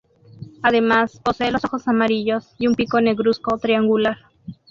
Además posee los ojos amarillos y un pico negruzco triangular.